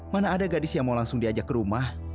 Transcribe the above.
mana ada gadis yang mau langsung diajak ke rumah